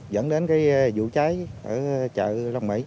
dẫn đến cái vụ cháy ở chợ long mỹ